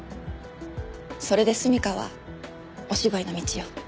それで純夏はお芝居の道を。